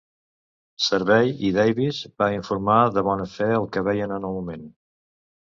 Servei i Davies va informar de bona fe el que veien en el moment.